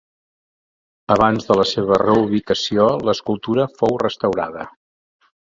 Abans de la seva reubicació, l'escultura fou restaurada.